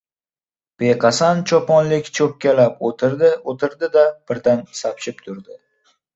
Beqasam choponlik cho‘kkalab o‘tirdi-o‘tirdi-da, birdan sapchib turdi.